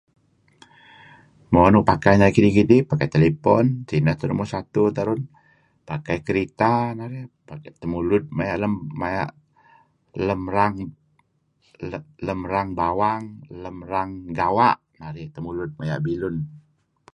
Mo, nuk pakai narih kidih-kidih pakai telefon, sineh teh numur satu terun, pakai kerita, temulud maya lemmaya' lem rang bawang lem rang gawa' dulun